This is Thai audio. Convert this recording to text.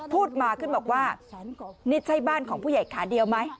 พูดมาขึ้นบอกว่านี่ใช่บ้านของผู้ใหญ่ขาเดียวไหม